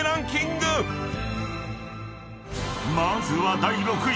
［まずは第６位］